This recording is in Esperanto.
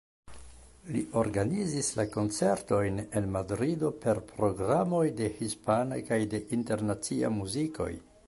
Li organizis la koncertojn en Madrido per programoj de hispana kaj de internacia muzikoj.